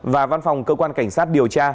và văn phòng cơ quan cảnh sát điều tra